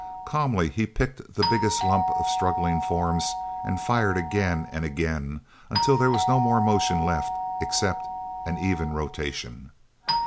Calmly he picked the biggest lumps of struggling forms, and fired again and again, until there was no more motion left except an even rotation.